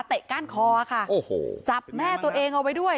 ก้านคอค่ะโอ้โหจับแม่ตัวเองเอาไว้ด้วย